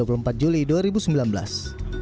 pertama dpr yang menjaga kekuatan perbankan